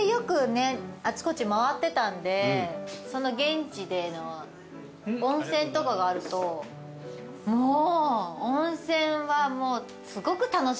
あちこち回ってたんでその現地での温泉とかがあるともう。